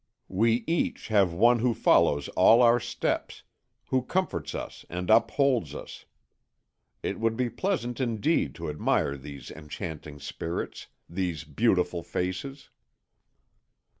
We each have one who follows all our steps, who comforts us and upholds us. It would be pleasant indeed to admire these enchanting spirits, these beautiful faces."